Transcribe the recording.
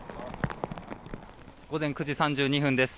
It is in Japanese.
午前９時３２分です。